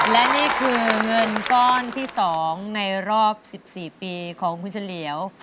และนี่คือเงินก้อนที่๒ในรอบ๑๔ปีของคุณเฉลียว